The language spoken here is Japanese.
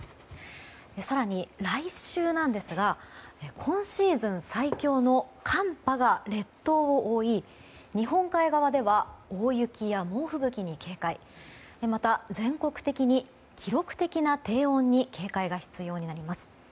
更に、来週なんですが今シーズン最強の寒波が列島を覆い日本海側では大雪や猛吹雪に警戒また、全国的に記録的な低温に警戒が必要になります。